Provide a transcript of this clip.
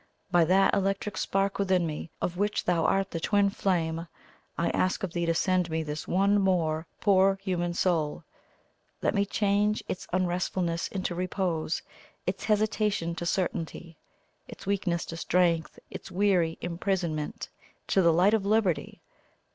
By that electric spark within me, of which thou art the Twin Flame, I ask of thee to send me this one more poor human soul; let me change its unrestfulness into repose, its hesitation to certainty, its weakness to strength, its weary imprisonment to the light of liberty!